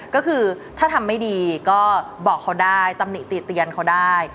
ก็คือถ้าทำไม่ดีก็บอกเขาได้ตำหนิติเตียนเขาได้